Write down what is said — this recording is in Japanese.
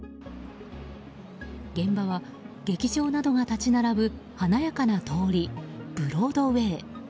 現場は劇場などが立ち並ぶ華やかな通り、ブロードウェー。